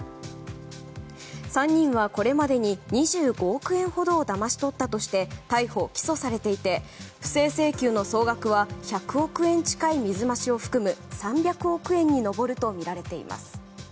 ３人はこれまでに２５億円ほどをだまし取ったとして逮捕・起訴されていて不正請求の総額は１００億円近い水増しを含む３００億円に上るとみられています。